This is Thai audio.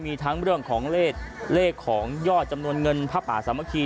มีทั้งเรื่องของเลขของยอดจำนวนเงินผ้าป่าสามัคคี